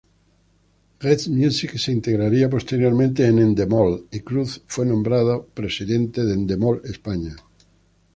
Gestmusic se integraría posteriormente en Endemol, y Cruz fue nombrado Presidente de Endemol-España.